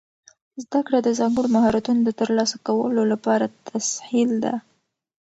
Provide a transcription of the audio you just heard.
زده کړه د ځانګړو مهارتونو د ترلاسه کولو لپاره تسهیل ده.